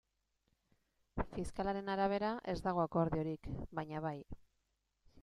Fiskalaren arabera ez dago akordiorik, baina bai.